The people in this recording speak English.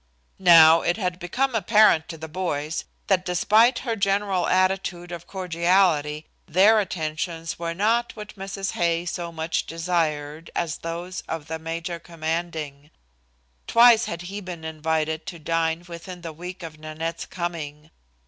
Now, it had become apparent to the boys that despite her general attitude of cordiality their attentions were not what Mrs. Hay so much desired as those of the major commanding. Twice had he been invited to dine within the week of Nanette's coming.